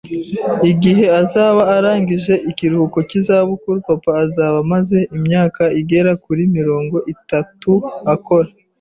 Igihe azaba arangije ikiruhuko cy'izabukuru, papa azaba amaze imyaka igera kuri mirongo itatu akora